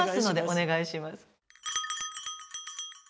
お願いします。